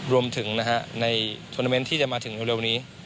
รวมถึงในทวนาเมนต์ที่จะมาถึงเร็วนี้